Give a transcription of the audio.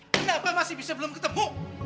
kenapa masih bisa belum ketemu